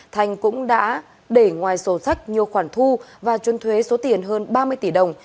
thanh cũng đã để ngoài sổ sách nhiều khoản thu và chuân thuế số tiền hơn ba mươi tỷ đồng